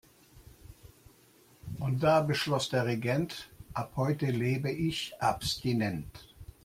Und da beschloss der Regent: Ab heute lebe ich abstinent.